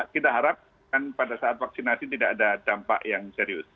kita harapkan pada saat vaksinasi tidak ada dampak yang serius